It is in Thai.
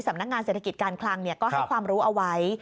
สำนักงานเศรษฐกิจการคลังก็ให้ความรู้เอาไว้